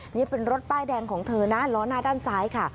นี่เป็นรถป้ายแดงของเธอนะล้อหน้าด้านซ้ายค่ะ